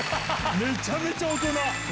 めちゃめちゃ大人！